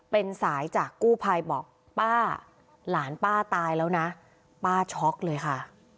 เป็นสายจากกู้ภัยบอกป้าหลานป้าตายแล้วนะป้าช็อกเลยค่ะ